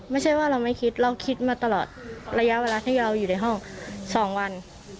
ไม่ใช่ว่าเราไม่คิดเราคิดมาตลอดระยะเวลาที่เราอยู่ในห้อง๒วัน